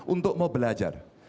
untuk mau belajar